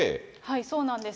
そうなんです。